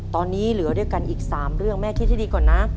ตอนนี้เหลือด้วยกันอีก๓เรื่องแม่คิดให้ดีก่อนนะ